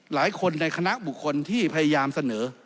หลายคนในคณะบุคคลที่พยายามเสนอ